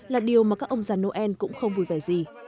là điều mà các ông già noel cũng không vui vẻ gì